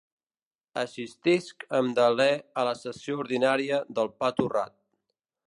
Assistisc amb deler a la sessió ordinària del pa torrat.